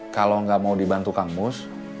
kalo gak mau dibantu kang mus